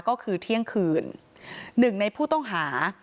ก็คือเที่ยงคืนหนึ่งในผู้ต้องหา